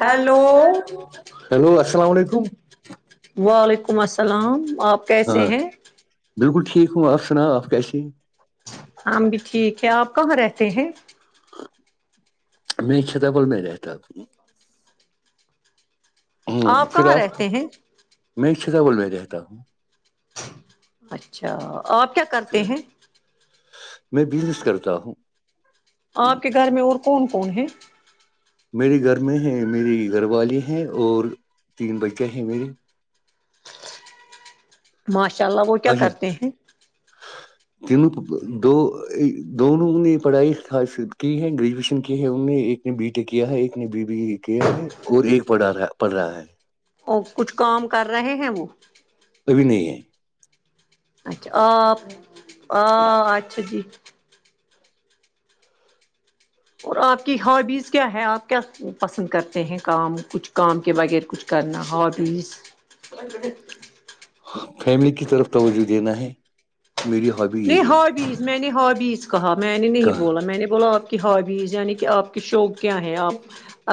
hello hello السلام علیکم وعلیکم السلام آپ کیسے ہاں ہیں بالکل ٹھیک ہوں آپ سناؤ آپ کیسے ہیں ہم بھی ٹھیک ہے آپ کہاں رہتے ہیں میں چھتابل میں رہتا ہ ہوں پھر کہاں آپ رہتے ہیں میں شتاول میں رہتا ہوں اچھا آپ کیا کرتے ہیں میں بزنس کرتا ہوں آپ کے گھر میں اور کون کون ہے میرے گھر میں ہے میری گھر والی ہیں اور تین بچے ہیں میری ماشاء اللہ وہ کیا اچھا کرتے ہیں تینوں دو دونوں نے پڑھائی خاص کی ہے گریجویشن کی ہے انوں نے ایک نے بی ٹے کیا ہے ایک نے بی بی کیا ہے اور ایک پڑھا پڑھ رہا ہے اور کچھ کام کر رہے ہیں وہ کبھی نہیں ہے اچھا آ آ اچھا جی اور آپ کی ہابیز کیا ہے آپ کیا پسند کرتے ہیں کام کچھ کام کے بغیر کچھ کرنا ہابیز فیملی کی طرف توجہ دینا ہے میری ہابی نہیں یہی ہے ہابیز میں نے ہابیز کہا میں نے نہیں کہاں بولا میں نے بولا آپ کی ہابیز یعنی کہ آپ کی شوق کیا ہے آپ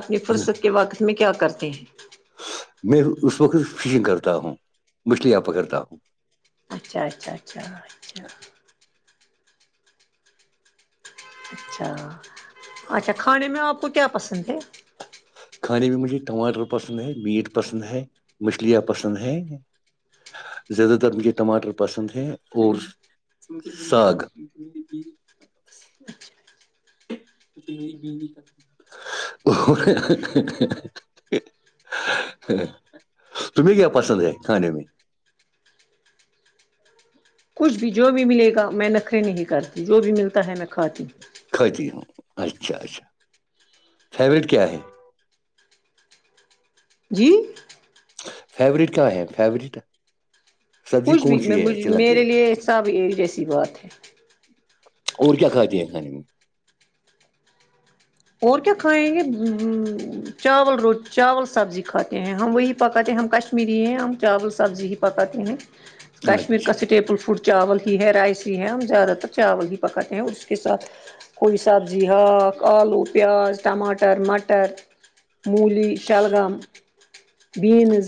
اپنی فرصت کے واقت میں کیا کرتے ہیں میں اس وقت فشنگ کرتا ہوں مچھلیاں پکڑتا ہوں اچھا اچھا اچھا اچھا اچھا اچھا کھانے میں آپ کو کیا پسند ہے کھانے میں مجھے ٹماٹر پسند ہے میٹ پسند ہے مچھلیاں پسند ہیں زیادہ تر مجھے ٹماٹر پسند ہے اور ساگ یہ بی نہیں کرتے ا تمہیں کیا پسند ہے کانے میں کچھ بھی جو بھی ملے گا میں نخرے نہیں کرتی جو بھی ملتا ہے میں کھاتی ہوں کھاتی ہوں اچھا اچھا فیوریٹ کیا ہے جی فیوریٹ کیا ہے فیوریٹ سبزی کچھ بھی کون سی ہے میںج اچھی لگتی ہے میرے لیے ساب جیسی بات ہے اور کیا کھاتی ہیں کھانے میں اور کیا کھائیں گے چاول رو چاول سبزی کھاتے ہیں ہم وہی پکاتے ہیں ہم کش کشمیری ہے ہم چاول سبزی ہی پکاتے ہیں کشمیر کا اچھا سٹیپل فوڈ چاول ہی ہے رائس ہی ہے ہم زیادہ تر چاول ہی پکاتے ہیں اس کے ساتھ کوئی سبزی ہااک آلو پیاز ماٹر مٹر مولی شلگام بینز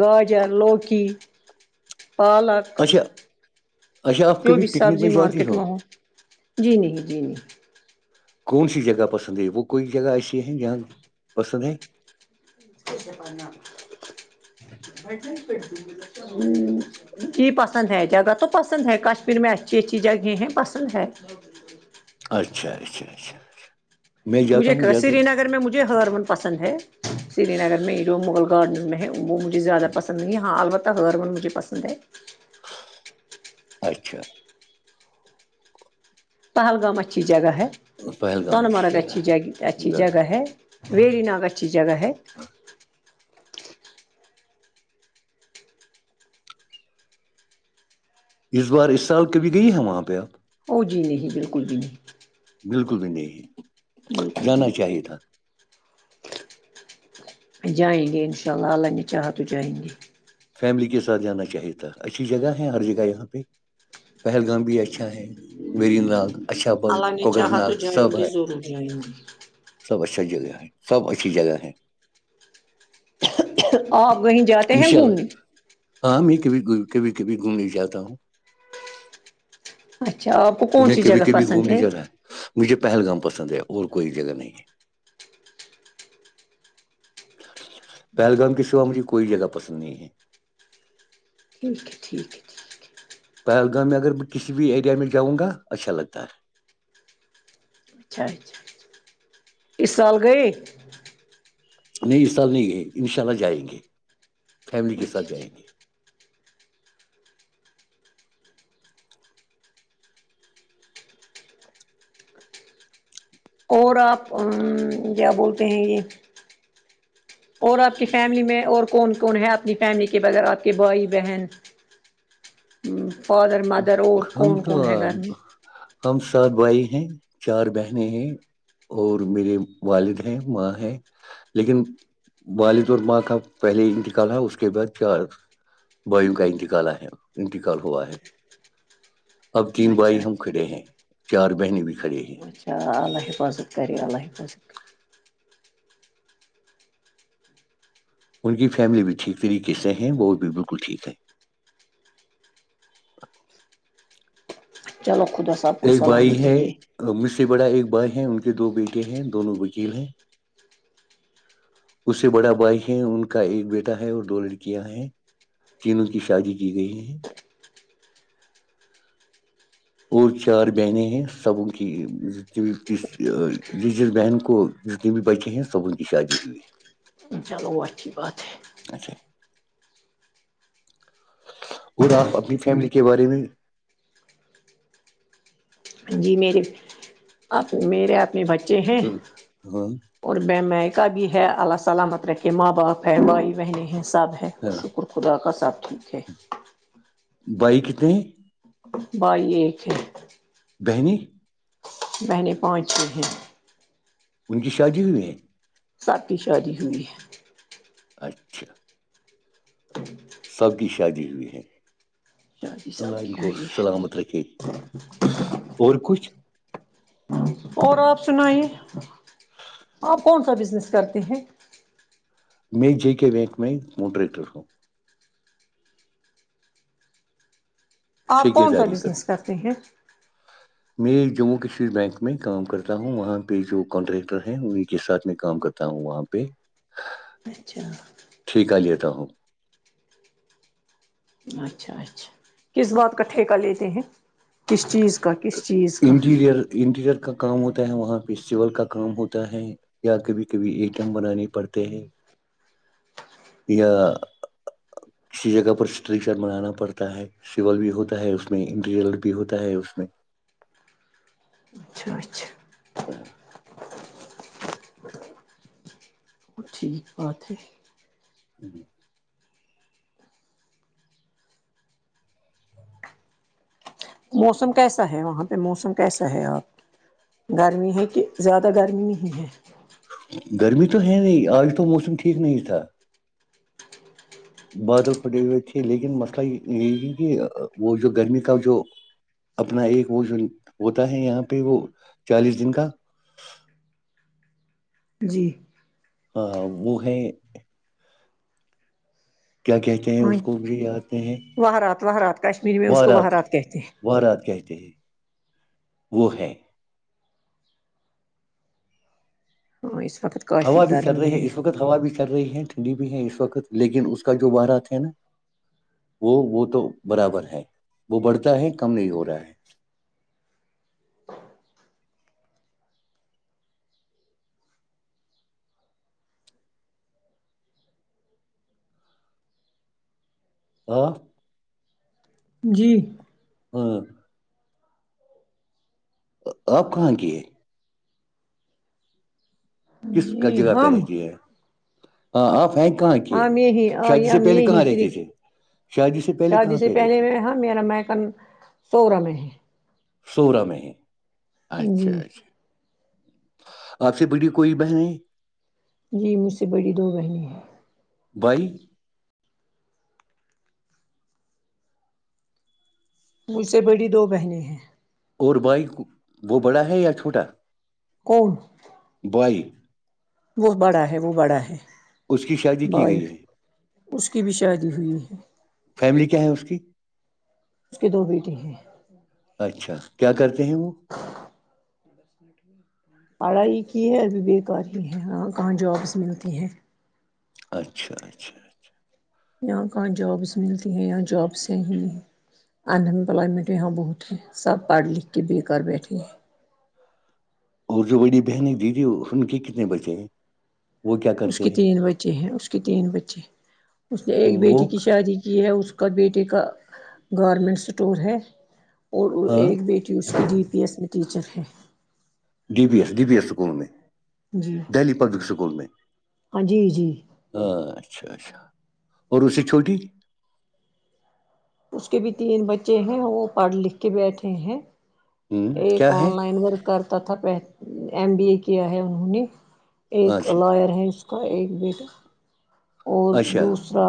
گاجر لوکی پالک اچھا اچھا آپ جو کبھی بھی پکنک سبزی میں جاتی مارکیٹ ہو میں جی نہیں جی نہیں کون سی جگہ پسند ہے وہ کوئی جگہ ایسی ہے جہاں پسند ہے ہ جی پسند ہے جگہ تو پسند ہے کشمیر میں اچھی اچھی جگہیں ہیں پسند ہے اچھا اچھا اچھا اچھا میں جاتا مجھے ہوں کہا زیادہ سری نگر میں مجھے ہرمن پسند ہے سری نگر میں جو مغل گارڈن میں ہے وہ مجھے زیادہ پسند نہیں ہےاں البتہ ہربول مجھے پسند ہے اچھا پہلگامسچ جگہ ہے سون پہلگام اچھی مرگہچ جگہ ا ہے جا- جگہ ہے ویری ناگ اچھی جگہ ہے اس بار اس سال کبھی گئی ہے وہاں پہ آپ ا جی نہیں بالکل جی نہیں بالکل بھی نہیں ہے بالکل جیکل [inaudible] فیملی کے ساتھ جانا چاہی تھا اچھی جگہ ہے ہر جگہ یہاں پہ پہلگام بھی اچھا ہے میری ناگ اچھا بل اللہ نے کوکر چاہا تو ناگ سب ہے [inaudible] سب اچھا جگہ ہے سب اچھی جگہ ہے آپ وہیں جاتے ان ہیں شاء گھومنے اللہ ہاں میں کبھی کبھی کبھی گھومنے جاتا ہوں اچھا آپ کون میں سی کبھی جگہ کبھی پسند گھومنے جاتا ہے مجھے پہلگام پسند ہے اور کوئی جگہ نہیں ہے پہلگام کے سوا مجھے کوئی جگہ پسند نہیں ہے ٹھیک ہے ٹھیک ہے ٹھیک ہے پہلگام میں اگر میں کسی بھی ایریا میں جاؤں گا اچھا لگتا ہے اچھا اچھا اس سال گے نہیں اس سال نہیں ہے ان شاء اللہ جائیں گے فیملی کے ساتھ جائیں گے اور آپ کیا بولتے ہیں یہ اور آپ کی فیملی میں اور کون کون ہے اپنی فیملی کے بغیر آپ کے بھائی بہن فاادر مدر اور ہم کون تو کون ہے ہم سات بھائی ہیں چار بہنیں ہیں اور میرے والد ہیں ماں ہیں لیکن والدور ماہ کا پہلے انتقال تھا اس کے بعد چار وایو کا انتقال ہے انتقال ہوا ہے اب تین اچھا بھائی ہم کھڑے ہیں چار بہن بھی کھڑے ہیں اچھا اللہ حفاظت کریے اللہ حفاظت کر ان کی فیملی بھی ٹھیک طریقے سے ہیں وہ بھی بالکل ٹھیک ہے چلو خدا صا آب کو ایک سلامت بھائی ہے رکے مجھ سے بڑا ایک بھائی ہیں ان کے دو بیٹے ہیں دونوں وکیل ہیں اس سے بڑا بھائی ہے ان کا ایک بیٹا ہے اور دو لڑکیاں ہیں تینوں کی شادی کی گئی ہے اور چار بہنیں ہیں سب کی رجز بہن کو اس ن بھی بچے ہیں صبن کی شادی ہوئی چلو وہ اچھی بات ہے اچھا اور آپ اپنی فیملی کے بارے میں جی میرے اپ میرے اپنے بچے ہیں ہاں اور مائیکہ بھی ہے اللہ سلامت رکھے ماں باپ ہے بھائی بہنیں ہیں سب ہے ہاں شکر خدا کا ساتب ٹھیک ہے بائی کت ہیں بائی ایک ہے بہنیی بہنےیں پانچ ہیں ان کی شادی ہوئی ہیں ساتھی شادی ہوئی ہے اچھا سب کی شادی ہوئی ہے شادی سب اللہ کی کو ہوئی ہے سلامت رکے اور کچھ اور آپ سنائیے آپ کون سا بزنس کرتے ہیں وک میں منٹر آپ ٹھیک کون سا داری کا بزنس تھا کرتے ہیں [inaudible] میں جموں کشمیر بینک میں کام کرتا ہوں وہاں پہ جو کانٹریکٹر ہیں انہیں کے ساتھ میں کام کرتاوں تا ہوں وہاں پہ اچھا [unintelligible] ٹھیک ہے جتا ہوں اچھا اچھا کس بات کا ٹھیکہ لیتے ہیں کس چیز کا کس چیز کا انٹیریر کا کام ہوتا ہے وہاں پہ سول کا کام ہوتا ہے یا کبھی کبھی ای ٹی ایم بنانے پڑتے ہیں یا کسی جگہ پر اسٹرکچر بنانا پڑتا ہے سول بھی ہوتا ہے اس میں انٹیریر بھی ہوتا ہے اس میں اچھا اچھا [inaudible] اورتی جی ج [unintelligible] موسم کیسا ہے وہاں پہ موسم کیسا ہے آپ گرمی ہے کہ زیادہ گرمی نہیں ہے گرمی تو ہے نہیں آج تو موسم ٹھیک نہیں تھا جی بادل پھٹے ہوئے تھے لیکن مسئلہ یہ ت کہ وہ جو گرمی کا جو اپنا ایک وہ جو ہوتا ہے یہاں پہ وہ چالیس دن کا جی ہ وہ ہے کیا کہتے ہیں اس کو بھی یاد نہیں ہے وحرات وحرات کشمیر میں اس کو وحرات کہتے ہیں وہ رات کہتے ہیں وہ ہے ہاں اس وقت کافی ہوا بھی چل گرمی رہی ہے اس وقت ہوا بھی چل رہی ہے ٹھنڈی بھی ہے اس وقت لیکن اس کا جو بارات ہے نا وہ وہ تو برابر ہے وہ بڑھتا ہے کم نہیں ہو رہا ہے ہاں جی اور آپ کہاں کی ہے کس جی جگہ پہ ہم رہتی ہے ہاں آپ ہیں کہاں کی ہم یہی شادی سے ہم پہلے یہی کہاں رہتے صرف تھے شادی سے پہلے شادی کہاں سے پہ پہلے رہتی میں میرا میکن سولہہ میں ہے سور میں اچھا جی اچھا آپ سے بڑی کوئی بہن جی مجھ سے بڑی دو بہنیں ہیں بئی مجھ سے بڑی دو بہنیں ہیں اور بائک وہ بڑا ہے یا چھوٹا کون بائی وہ بڑا ہے وہ بڑا ہے اس کی شادی کی بائف گئی ہے اس کی بھی شادی ہوئی ہے فیملی کیا ہے اس کی اس کے دو بیٹی ہیں اچھا کیا کرتے ہیں وہ سٹ پڑھائی کی ہے ابھی بے کاری ہے ہاں کہاں جابس ملتی ہیں اچھا اچھاھا یہاں کہاں جابس ملتی ہیں یا جابسیں ہی ان امپلائمنٹ یہاں بہت ہے سب پڑھ لکھ کے بھیے کر بیٹھے ہیں اور جو بڑی بہنیں دیدی ان کے کتنے بچے ہیں وہ کیا اس کرتے کے ہیں تین بچے ہیں اس کے تین بچے اس نے ایک بیٹی وہ کی شادی کی ہے اس اس کا بیٹی کا گورنمنٹ اسٹور ہے اور ہاں ایک بیٹی اس کے ڈی پی ایس میں ٹیچر ہے D B S D B S school میں جی دہلی پبلک اسکول میں ہاں جی جی اچھا اچھا اور اس سے چھوٹی تھی اس کے بھی تین بچے ہیں وہ پڑھ لکھ کے بیٹھے ہیں ایک کیا آن ہے لائن ورک کرتا تھا ایم بی ا کیا ہے انہوں نے ایک اچھا لائر ہے اس کا ایک بیٹا اور اچھا دوسرا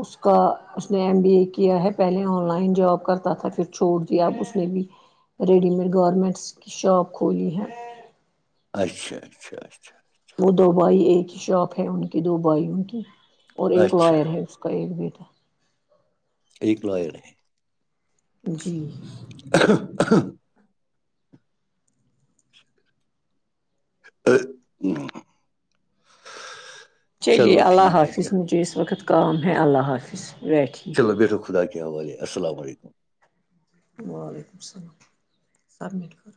اس کا اس نے ایم بی اے کیا ہے پہلے آن لائن جاب کرتا تھا پھر چھوڑ دیا ا اس نے بھی ریڈی میڈ گارمنٹس کی شاپ کھولی ہے اچھا اچھا اچھاھا وہ دو بھائی ایک ہی شاپ ہے ان کی دو بھائی ان کی اور ایک اچھا لائر ہے کوئی بھی تو ایک لوائر ہے ج جی [unintelligible] ا ہ [unintelligible] چلو بیٹو خدا کے حوالے السلام علیکم وعلیکم السلام سبمٹ کر